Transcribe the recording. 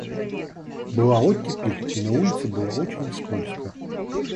Была оттепель, и на улице было очень скользко.